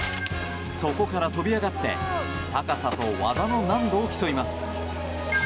そこから飛び上がって高さと技の難度を競います。